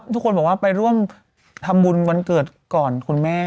ทุกคนบอกว่าไปร่วมทำบุญวันเกิดก่อนคุณแม่